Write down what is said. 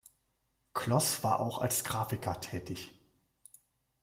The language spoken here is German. Kloss war auch als Grafiker tätig.